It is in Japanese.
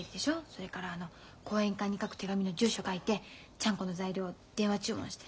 それからあの後援会に書く手紙の住所書いてちゃんこの材料電話注文して。